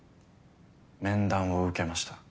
面談を受けました。